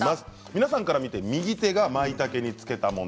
皆さんから見て右手がまいたけにつけたもの。